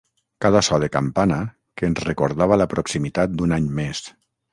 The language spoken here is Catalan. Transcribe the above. Cada so de campana que ens recordava la proximitat d’un any més.